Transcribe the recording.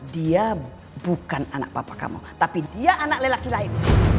dia bukan anak papa kamu tapi dia anak lelaki lain